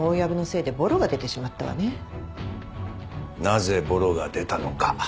なぜぼろが出たのか。